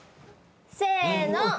せの！